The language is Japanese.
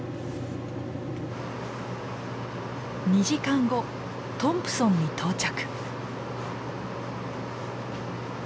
２時間後トンプソンに到着！